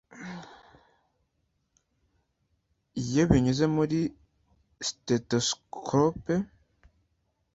iyo binyuze muri stethoscope